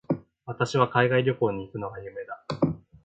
私は海外旅行に行くのが夢だ。